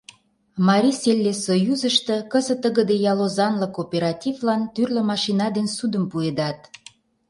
Марисельлессоюзышто кызыт тыгыде ял озанлык кооперативлан тӱрлӧ машина ден ссудым пуэдат.